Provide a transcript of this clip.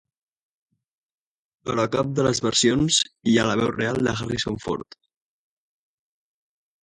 Però a cap de les versions hi ha la veu real de Harrison Ford.